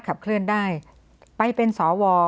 ขับเคลื่อนได้ไปเป็นสว